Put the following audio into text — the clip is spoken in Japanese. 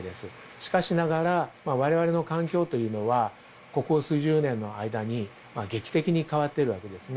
しかしながら、われわれの環境というのは、ここ数十年の間に劇的に変わってるわけですね。